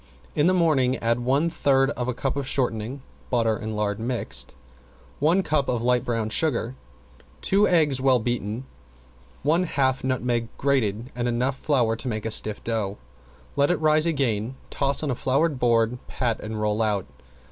In the morning add one third of a cup of shortening (butter and lard mixed), one cup light brown sugar, two eggs well beaten, one half nutmeg grated and enough flour to make a stiff dough. Let it rise again, toss on floured board, pat and roll out.